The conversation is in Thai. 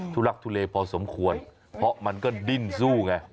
ทุลักทุเลพอสมควรเพราะมันก็ดิ้นสู้ไง